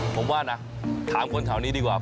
ผมว่านะถามคนแถวนี้ดีกว่า